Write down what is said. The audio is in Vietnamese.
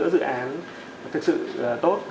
giữa dự án thực sự tốt